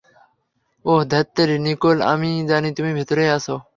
ওহ, ধ্যাত্তেরি, নিকোল, আমি জানি তুমি ভেতরেই আছো!